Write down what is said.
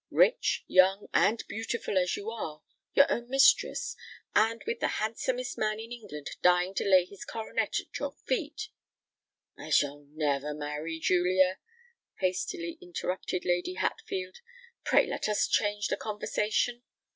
Rich, young, and beautiful as you are—your own mistress—and with the handsomest man in England dying to lay his coronet at your feet——" "I shall never marry, Julia," hastily interrupted Lady Hatfield. "Pray let us change the conversation.